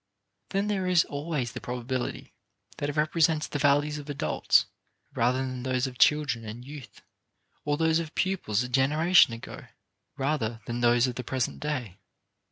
Then there is always the probability that it represents the values of adults rather than those of children and youth, or those of pupils a generation ago rather than those of the present day.